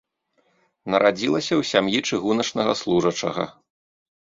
Нарадзілася ў сям'і чыгуначнага служачага.